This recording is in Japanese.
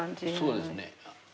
そうですね。